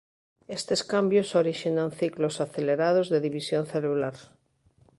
Estes cambios orixinan ciclos acelerados de división celular.